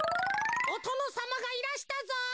「おとのさまがいらしたぞ」。